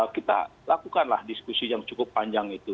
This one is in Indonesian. kita lakukanlah diskusi yang cukup panjang itu